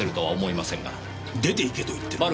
出て行けと言ってる。